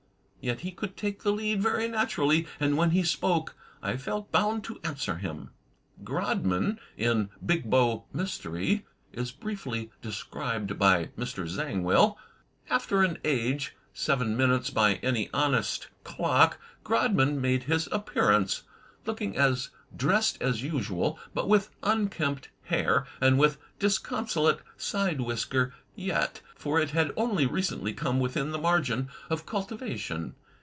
Yet he could take the lead very natu rally, and when he spoke, I felt bound to answer him. Grodman, in "Big Bow Mystery," is briefly described by Mr. Zangwill: After an age — seven minutes by any honest clock — Grodman made his appearance, looking as dressed as usual, but with unkempt hair and with disconsolate side whisker yet, for it had only recently come within the margin of cultivation.